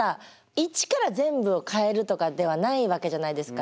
一から全部を変えるとかではないわけじゃないですか。